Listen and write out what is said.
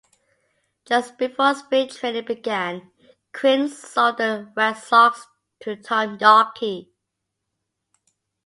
Just before spring training began, Quinn sold the Red Sox to Tom Yawkey.